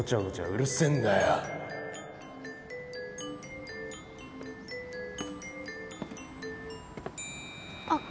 うるせえんだよあっ。